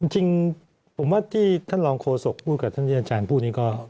จริงผมว่าที่ท่านรองโฆษกพูดกับท่านที่อาจารย์พูดนี้ก็